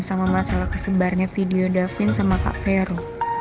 sama masalah kesebarnya video davin sama kak fero